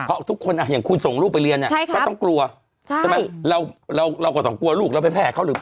เพราะทุกคนอ่ะอย่างคุณส่งลูกไปเรียนก็ต้องกลัวใช่ไหมเราเราก็ต้องกลัวลูกเราไปแพร่เขาหรือเปล่า